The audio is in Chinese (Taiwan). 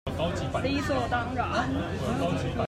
理所當然